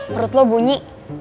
perut lo bunyi